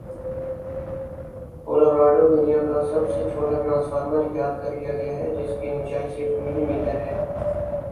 Colorado دنیا کا سب سے چھوٹا ٹرانسفارمر ایجاد کرلیا گیا ہے جس کے اونچائی صرف ملی میٹر ہے